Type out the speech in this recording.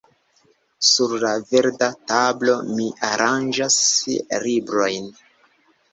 Sur la verda tablo mi aranĝas librojn.